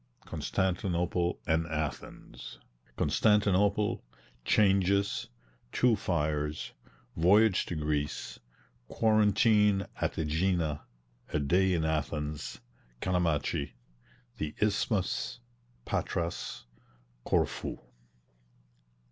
CONSTANTINOPLE AND ATHENS. CONSTANTINOPLE CHANGES TWO FIRES VOYAGE TO GREECE QUARANTINE AT AEGINA A DAY IN ATHENS CALAMACHI THE ISTHMUS PATRAS CORFU.